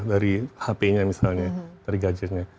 dari hp nya misalnya dari gadget nya